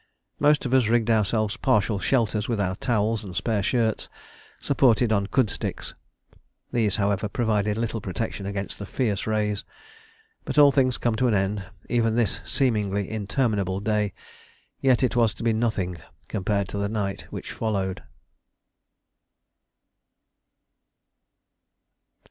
Most of us rigged ourselves partial shelters with our towels and spare shirts, supported on khud sticks. These, however, provided little protection against the fierce rays. But all things come to an end even this seemingly interminable day; yet it was to be nothing compared to the night which followed.